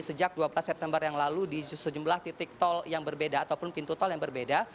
sejak dua belas september yang lalu di sejumlah titik tol yang berbeda ataupun pintu tol yang berbeda